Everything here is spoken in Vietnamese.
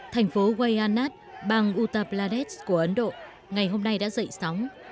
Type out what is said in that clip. thành phố wayanad bang uttar pradesh của ấn độ ngày hôm nay đã dậy sóng